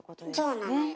そうなのよ。